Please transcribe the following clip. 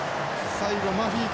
最後マフィから。